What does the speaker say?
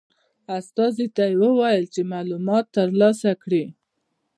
استازي ته وویل چې معلومات ترلاسه کړي.